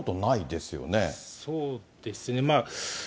そうですね。